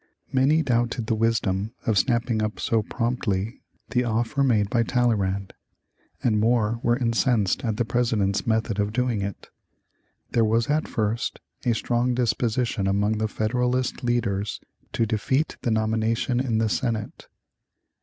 Many doubted the wisdom of snapping up so promptly the offer made by Talleyrand, and more were incensed at the President's method of doing it. There was at first a strong disposition among the Federalist leaders to defeat the nomination in the Senate.